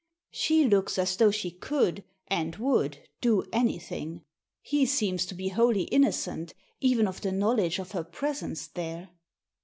She looks as though she could, and would, do anything. He seems to be wholly inno cent, even of the knowledge of her presence there."